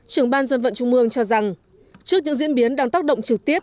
trưởng ban dân vận trung mương cho rằng trước những diễn biến đang tác động trực tiếp